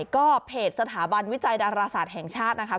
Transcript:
ก็เพจสถาบันวิจัยดาราศาสตร์แห่งชาตินะคะ